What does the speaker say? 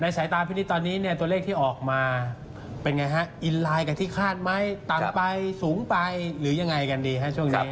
สายตาพี่นิดตอนนี้เนี่ยตัวเลขที่ออกมาเป็นไงฮะอินไลน์กับที่คาดไหมต่ำไปสูงไปหรือยังไงกันดีฮะช่วงนี้